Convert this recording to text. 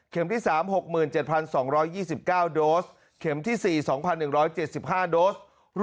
ที่๓๖๗๒๒๙โดสเข็มที่๔๒๑๗๕โดส